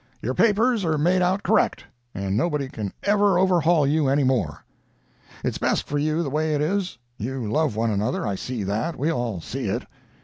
Your papers are made out correct, and nobody can ever overhaul you anymore. "It's best for you the way it is. You love one another—I see that—we all see it.